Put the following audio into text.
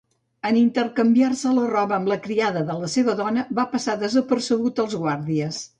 En intercanviar-se la roba amb la criada de la seva dona, va passar desapercebut als guàrdies.